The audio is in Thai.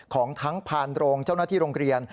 ของทั้งผ่านโรงเจ้าหน้าที่โรงเรียน